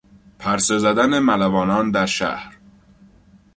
پرسه زدن ملوانان در شهر